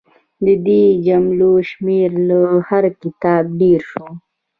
د دې جملو شمېر له هر کتاب ډېر شو.